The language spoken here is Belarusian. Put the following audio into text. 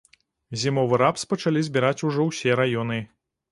Зімовы рапс пачалі збіраць ужо ўсе раёны.